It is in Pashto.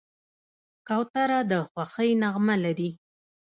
کوتره د خوښۍ نغمه لري.